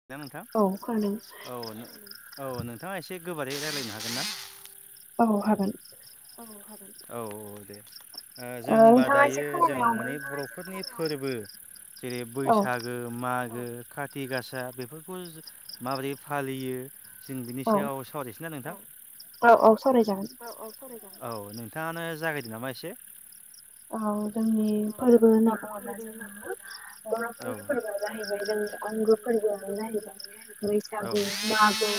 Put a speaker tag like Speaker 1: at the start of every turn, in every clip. Speaker 1: खोनादोंना नोंथां औ औ नोंथाङा एसे गोबारै रायलायनो हागोन ना?
Speaker 2: औ हागोन।
Speaker 1: औ औ दे ओ जों होनबा दायो जों माने बर' फोरनि फोरबो जेरै बैसा गो मागो खाथि गासा बेफोरखौ माबोरै फालियो जों बिनि सायाव सावरायसै ना नोंथां?
Speaker 2: औ औ सावरायजागोन।
Speaker 1: औ नोंथाङानो जागायदो नामा एसे?
Speaker 2: औ जोंनि फोरबो होनना बुङोब्ला जोङो बर'फोरनि फोरबोआ जाहैबाय जोंनि आंगो फोरबोआनो जाहैबाय बैसागु, मागो,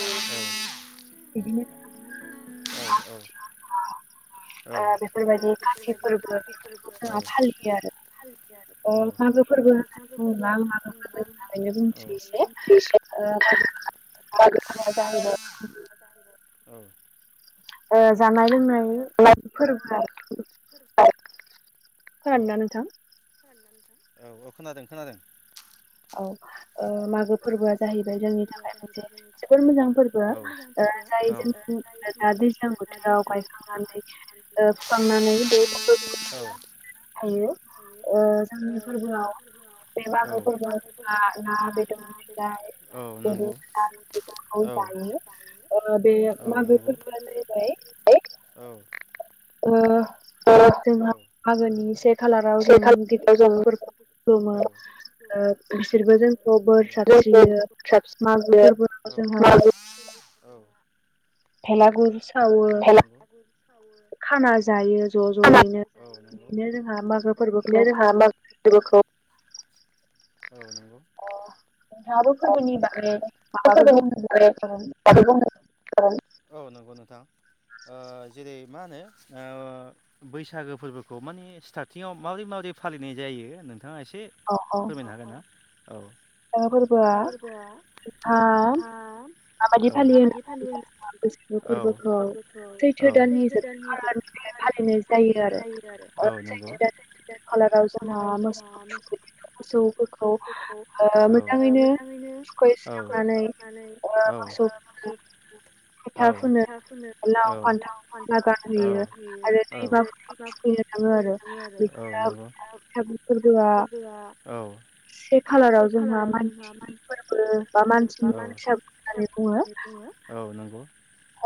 Speaker 2: बिदिनो
Speaker 1: औ औ
Speaker 2: ओ बेफोरबायदि काति फोरबो बेफोरखौ जोङो फालियो आरो अ मागो फोरबो होननानै बुङोब्ला आं मागो फोरबोनि बागैनो बुंनोसै एसे ओ मागो
Speaker 1: मागो
Speaker 2: [unintelligible]
Speaker 1: औ
Speaker 2: ओ जानाय लोंनाय फोरबो
Speaker 1: औ औ ओ खोनादों खोनादों
Speaker 2: औ ओ मागो फोरबोआ जाहैबाय जोंनि थाखाय मोनसे जोबोर मोजां फोरबो। [unintelligible]
Speaker 1: दा दैज्लां बोथोरोराव औ
Speaker 2: थायो ओ जोंनि फोरबोआव बे मागो फोरबो ना बेदर ना बेदर फिथाय बेदरखौ जायो। ओ बे मागो फोरबो आ जाहैबाय
Speaker 1: औ
Speaker 2: ओ जोंहा मागोनि से खालाराव जों गिदिरफोरखौ खुलुमो। ओ बिसोरबो जोंखौ बोर सारस्रियो मागो फोरबोआव जोंहा
Speaker 1: औ
Speaker 2: बेलागुर सावो।
Speaker 1: [inaudible]
Speaker 2: खाना जायो ज' ज'यैनो बिदिनो जोंहा मागो फोरबोखौ फालि
Speaker 1: फोरबोखौ औ नंगौ।
Speaker 2: नोंथाङाबो फोरबोनि बागै
Speaker 1: औ नंगौ नोंथां। ओ जेरै मा होनो ओ बैसागो फोरबोखौ माने स्टार्तंङाव माबोरै माबोरै फालिनाय जायो नोंथाङा एसे फोरमायनो हागोन ना औ। [unintelligible] औ माबादि फालियो [inaudible] औ फोरबोखौ औ सैथो दाननि जोब
Speaker 2: [inaudible] फालिनाय जायो आरो ओ सैथो दाननि खालाराव जोंहा मोसौ थुखैयो। मोसौफोरखौ ओ मोजाङैनो थुखैस्रांनानै
Speaker 1: नानै औ ओ मोसौ औ फोथा फुनो औ लाव फान्थावनि औ माला गानहोयो औ आरो [unintelligible] [inaudible] औ नंगौ [inaudible]
Speaker 2: खालाराव जोंहा मानसिनि फोरबो बा मानसिनि
Speaker 1: औ मानसिनि बैसागु होननानै बुङो औ नंगौ।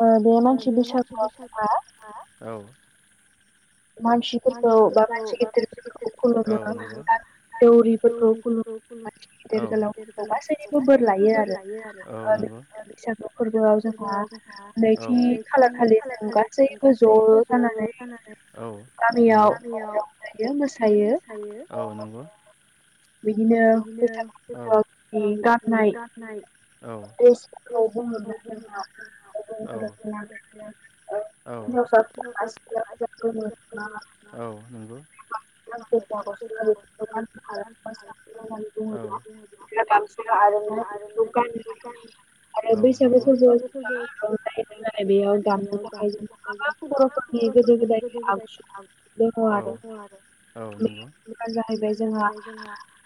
Speaker 2: ओ बे मानसि बैसागुआव जोंहा
Speaker 1: हा औ।
Speaker 2: मानसिफोरखौ बा मानसि गिदिरफोरखौ खुलुमो दौरिफोरखौ खुलुमो मानसि गिदिर गोलावफोरखौ गासैनिबो बोर लायो आरो ओ बैसागु फोरबोआव जोंहा नैथि खालार खालि जों गासैबो ज'
Speaker 1: ज' जानानै औ नंगौ गामिआव रंजायो मोसायो औ नंगौ
Speaker 2: बिदिनो बैसागु [inaudible] गाननाय।
Speaker 1: गाननाय औ।
Speaker 2: द्रेसफोरखौ बुङोब्ला जोंहा अग्रं दखना गानो [inaudible]
Speaker 1: [inaudible] औ नंगौ।
Speaker 2: [unintelligible] [unintelligible]
Speaker 1: [unintelligible] औ नंगौ [unintelligible]
Speaker 2: [inaudible] बेयाव दामनो थाखाय जों [inaudible] बर'फोरनि गोदो गोदायनि आगजु
Speaker 1: [inaudible] औ औ नंगौ [inaudible]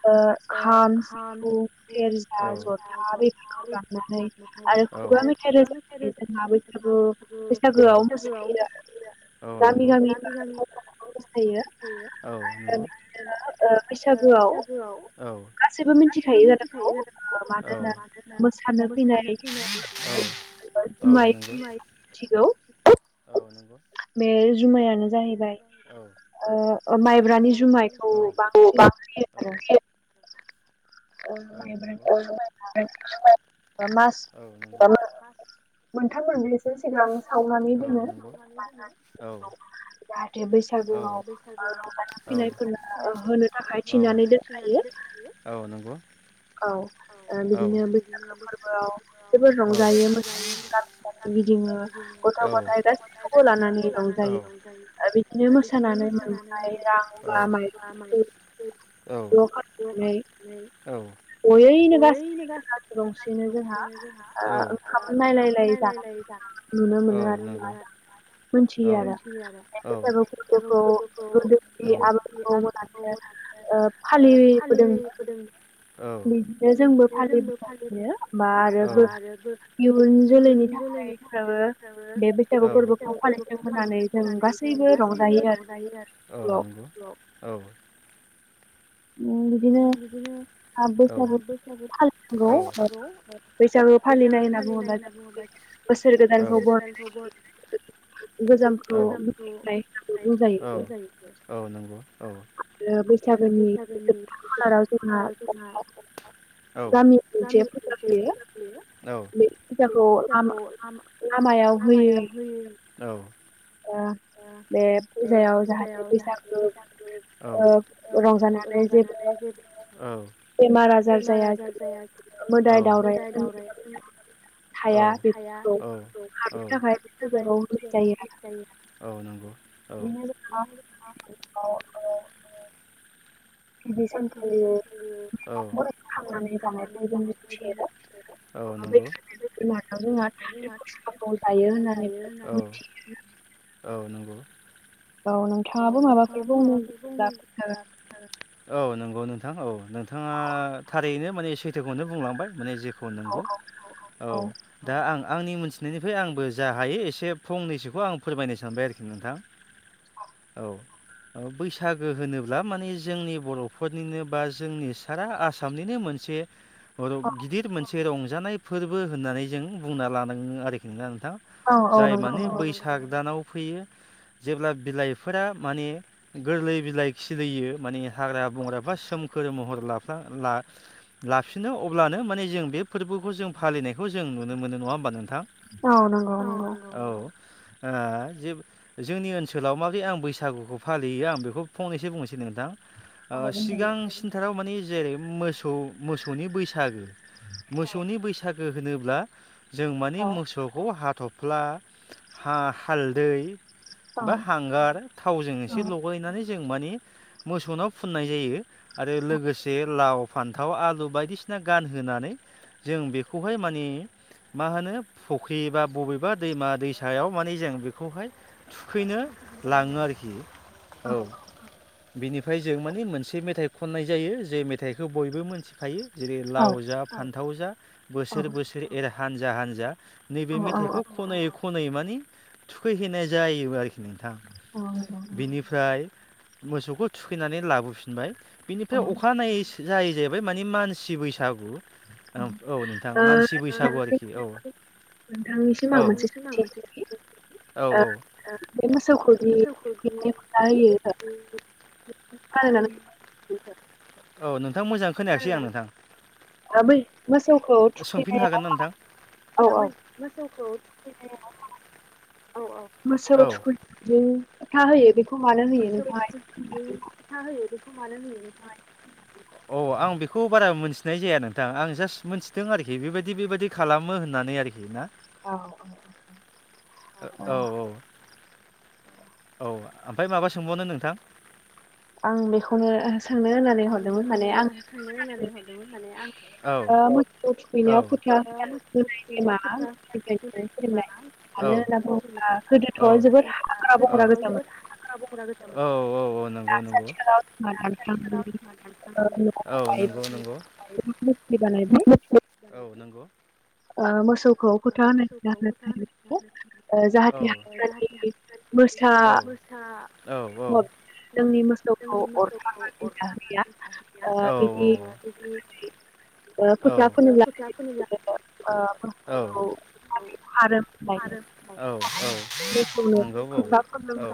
Speaker 2: ओ खाम सिफुं सेरजा जथा [inaudible] खौ दामनानै आरो खुगा मेथाइ रोजाबनानै जोंहा बैसागु सागोआव मोसायो आरो।
Speaker 1: औ नंगौ गामि गामि [inaudible] औ नंगौ [inaudible]
Speaker 2: ओ ओ बैसागुआव गासैबो मिथिखायो जानांगौ ओ मानोना
Speaker 1: मोसानो फैनाय औ औ नंगौ [inaudible] औ नंगौ।
Speaker 2: बे जुमायानो जाहैबाय ओ ओ माइब्रानि जुमायखौ बांसिन होयो आरो। ओ माइब्रानि जुमाइआ ओ मास [inaudible] मोनथाम मोनब्रै
Speaker 1: [inaudible] औ नंगौ औ। औ औ औ। औ नंगौ।
Speaker 2: औ ओ बिदिनो बैसागो फोरबोआव जोबोर रंजायो मोसायो गा [inaudible] गिदिङो गथ' गथाय गासिबखौबो लानानै रंजायो ओ बि
Speaker 1: ओ बिब्दिनो मोसानानै मोन्नाय औ रां बा [inaudible] औ ज' खा नै औ। जयैनो गासिबो गामि गंसेनो जोंहा औ ओ ओंखाम नायलायलायै जानां औ नंगौ।
Speaker 2: मोनथियो आरो बे बैसागु फोरबोखौ गोदोनि आबै आबौ मोना [unintelligible] बिदिनो ओ फालिबोदोंमोन [unintelligible]
Speaker 1: औ बिदिनो जोंबो फालिबोगासिनो दा आरो [unintelligible]
Speaker 2: इयुन जोलैनि थाखाय ओ
Speaker 1: जोङो औ बे बैसागु फोरबोखौ फालिदों होननानै जों गासैबो रंजायो आरो [unintelligible] औ नंगौ औ [inaudible] बिदिनो औ [unintelligible] औ बैसागु फालिनाय होनना बुङोब्ला
Speaker 2: बोसोर गोदानखौ बरायनाय [unintelligible]
Speaker 1: [inaudible] औ गोजामखौ औ होननानै बुंजायो औ नंगौ औ [unintelligible] [inaudible]
Speaker 2: बिदिनो बैसागोनि
Speaker 1: उम
Speaker 2: खालाराव जोंहा [unintelligible]
Speaker 1: औ गामि [unintelligible] औ बे फुजाखौ लामा लामायाव होयो औ
Speaker 2: बा
Speaker 1: ओ बे फुजायाव जाहाथे बैसागु ओ ओ रंजाना [unintelligible] नै [unintelligible] औ बेमार आजार जायाखैमोन औ मोदाय दावराय [unintelligible] औ हाया औ बेफोरखौ औ [unintelligible] थाखाय [unintelligible] औ नंगौ
Speaker 2: बेनि [unintelligible]
Speaker 1: [unintelligible] औ नंगौ [unintelligible]
Speaker 2: बिमानाव जोङा थालिर फस्लाखौ जायो होननानैनो मिथियो आरो [unintelligible]
Speaker 1: औ नंगौ।
Speaker 2: औ नोंथाङाबो माबाफोर बुंनो गोसोब्ला [unintelligible]
Speaker 1: औ नंगौ नोंथां औ नोंथाङा थारैनो माने सैथोखौनो बुंलांबाय माने जे खौ नंगौ औ दा आं आंनि मोनथिनायनिफ्राय आंबो जा हायो एसे फंनैसोखौ आं फोरमायनो सानबाय आरोखि नोंथां औ ओ बैसागो होनोब्ला माने जोंनि बर'फोरनिनो बा जोंनि सारा आसामनिनो मोनसे अरब [unintelligible] गिदिर मोनसे रंजानाय फोरबो होननानै जों बुंना लानाङो आरोखि ना नोंथां? जाय माने बैसाग दानाव फैयो। जेब्ला बिलाइफोरा माने गोरलै बिलाइ खिलियो माने हाग्रा बंग्राफा सोमखोर महर लाफा ला लाफिनो अब्लानो माने जों बे फोरबोखौ जों फालिनायखौ जों नुनो मोनो नङा ओमबा नोंथां? औ नंगौ औ ओ जे जोंनि ओनसोलाव मानदि आं बैसागुखौ फालियो आं बेखौ फंनैसो बुंनोसै नोंथां। ओ सिगां सिनथाराव माने जेरै मोसौ मोसौनि बैसागो मोसौनि बैसागो होनोब्ला जों माने मोसौखौ हा थ'फ्ला हा हालदै बा हांगार थावजों एसे लगायनानै जों माने मोसौनाव फुननाय जायो। आरो लोगोसे लाव फान्थाव आलु बायदिसिना गानहोनानै जों बेखौहाय माने मा होनो फख्रि बा बबेबा दैमा दैसायाव माने जों बेखौहाय थुखैनो लाङो आरोखि।
Speaker 2: औ औ।
Speaker 1: बिनिफ्राय जों माने मोनसे मेथाइ खननाय जायो जे मेथाइखौ बयबो मोनथिखायो। जेरै लाव जा फान्थाव जा बोसोर बोसोर एर हानजा हानजा। नैबे मेथाइखौ खनै खनै माने थुखैहैनाय जायो आरोखि। नोंथां बिनिफ्राय मोसौखौ थुखैनानै लाबोफिनबाय। बिनिफ्राय अखानायै जायो जाहैबाय माने मानसि बैसागु। औ औ नोंथां मानसि बैसागु आरोखि औ। औ औ औ।
Speaker 2: [unintelligible]
Speaker 1: औ नोंथां मोजां खोनायाखिसै आं नोंथां।
Speaker 2: बै मोसौखौ थुखैनायाव माखासे औ औ।
Speaker 1: मोसौखौ थुखैनायाव माखासे औ औ।
Speaker 2: मोसौ थुखैनानै फोथा होयो बेखौ
Speaker 1: मोसौ थुखैनायाव फोथा होयो बेखौ मानो होयो नोंथाङा इसे फोरमायनो हागोन नामा? औ आं बेखौ बारा मोनथिनाय जाया नोंथां आं जास्ट मोनथिदों आरोखि बेबायदि बेबायदि खालामो होननानै आरोखि ना।
Speaker 2: औ अ अ।
Speaker 1: औ ओमफ्राय माबा सोंबावनो नोंथां?
Speaker 2: आं बेखौनो सोंनो होननानै
Speaker 1: आं बेखौनो सोंनो होननानै हरदोंमोन होननानै आं [unintelligible] [unintelligible] औ औ औ औ औ नोंथां।
Speaker 2: दा आथिखालाव
Speaker 1: औ नंगौ नंगौ औ नंगौ।
Speaker 2: ओ मोसौखौ फोथा होनायनि जाहोनानो जाहैबाय ओ जाहाथे [unintelligible]
Speaker 1: औ औ औ। जोंनि मोसौखौ [unintelligible] फोथिया फोनोब्ला‌
Speaker 2: ओ
Speaker 1: औ।
Speaker 2: आरो [unintelligible]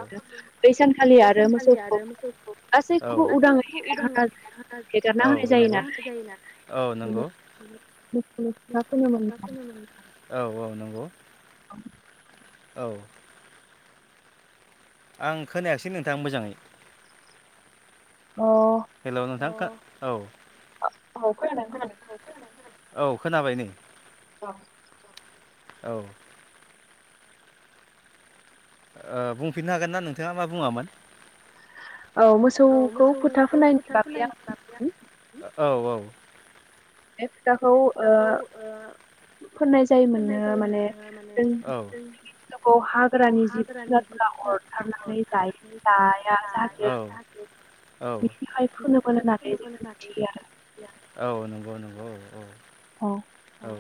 Speaker 2: बै सानखालि आरो मोसौ
Speaker 1: आरो मोसौखौ गासैखौबो उदांयै हेगारना होनाय हेगारना होनाय जायोनालाय। औ नंगौ।
Speaker 2: [inaudible]
Speaker 1: औ औ नंगौ। औ। आं खोनायाखिसै नोंथां मोजाङै।
Speaker 2: अ
Speaker 1: हेल' नोंथां औ।
Speaker 2: औ खोनादों खोनादों।
Speaker 1: औ खोनाबाय नै।
Speaker 2: [unintelligible]
Speaker 1: औ ओ बुंफिननो हागोन ना नोंथाङा मा बुङामोन?
Speaker 2: औ मोसौखौ फोथा फोनायनि बागै आं
Speaker 1: औ औ
Speaker 2: बे फोथाखौ ओ
Speaker 1: फोननाय जायोमोननो माने जों
Speaker 2: स्थुखौ हाग्रानि जिब जुनारफोरा अरथारनानै जायो [unintelligible] जाहाथे बिनिखाय फुनोमोन होननानै जों मिथियो आरो।
Speaker 1: औ नंगौ नंगौ औ औ औ। ओ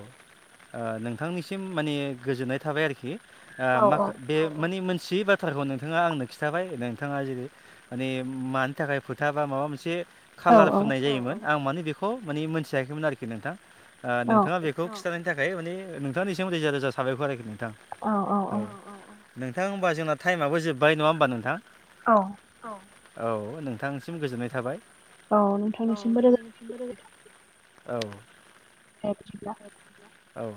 Speaker 1: नोंथांनिसिम माने गोजोननाय थाबाय आरोखि ओ मा बे माने मोनथियै बाथ्राखौ नोंथाङा आंनो खिन्थाबाय नोंथाङा जेरै माने मानि थाखाय फोथा बा माबा मोनसे कालार फनाय जायोमोन आं मानो बेखौ माने मोनथियाखैमोन आरोखि नोंथां ओ नोंथाङा बेखौ खिथानाय नि थाखाय माने नोंथांनिसिम रोजा रोजा साबायखर आरोखि नोंथां औ। नोंथां होमबा जोंना टाइमआबो जोबबाय नङा होमबा नोंथां?
Speaker 2: औ
Speaker 1: औ औ नोंथांनिसिम गोजोननाय थाबाय औ नोंथानिसिमबो रोजा औ
Speaker 2: दे बिदिब्ला
Speaker 1: औ